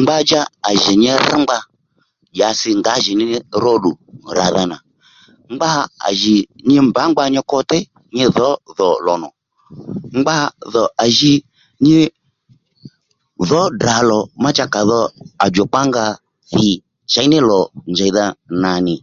Ngba cha à jì nyi rŕ ngba dyasi ngǎjì ní nì ró ddù rà dha nà ngba à jì nyi mbǎ ngba nyi ko te nyi dhǒ dhò lò nò ngba à jì nyi dhǒ Ddrà lò ma cha ka dho à djùkpá nga thì chěy ní lò njèydha nà nì